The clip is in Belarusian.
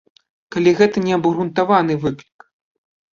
Калі гэта неабгрунтаваны выклік.